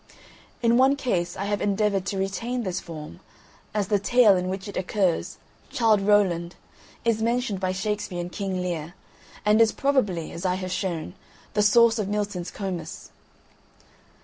In one case I have endeavoured to retain this form, as the tale in which it occurs, "Childe Rowland," is mentioned by Shakespeare in King Lear, and is probably, as I have shown, the source of Milton's Comus.